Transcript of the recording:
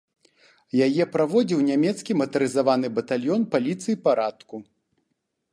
Яе праводзіў нямецкі матарызаваны батальён паліцыі парадку.